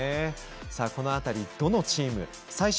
この辺り、どのチームが。